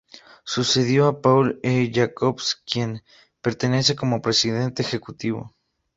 Sucedió a Paul E. Jacobs, quien permanece como presidente ejecutivo.